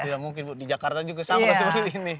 tidak mungkin bu di jakarta juga sama seperti ini